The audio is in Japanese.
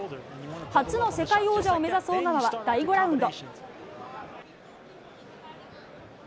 初の世界王者を目指す尾川は第５ラウンド。